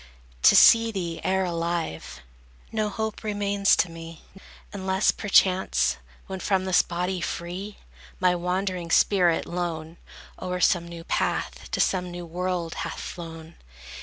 To see thee e'er alive, No hope remains to me; Unless perchance, when from this body free, My wandering spirit, lone, O'er some new path, to some new world hath flown.